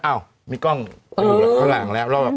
อ้าวมีกล้องอยู่ข้างหลังแล้ว